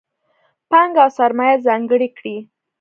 پانګه او سرمایه ځانګړې کړي.